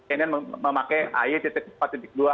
cnn memakai ayi tiga empat tiga dua